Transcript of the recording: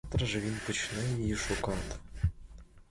Завтра ж він почне її шукати.